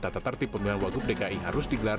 tata tertib pemilihan wakil gubernur dki harus digelar